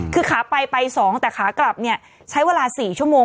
คือขาไปไป๒แต่ขากลับเนี่ยใช้เวลา๔ชั่วโมง